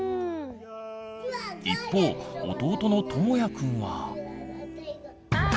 一方弟のともやくんは。